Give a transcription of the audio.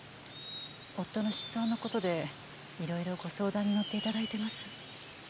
夫の失踪の事でいろいろご相談に乗って頂いてます。